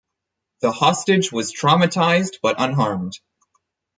The hostage was traumatized but unharmed.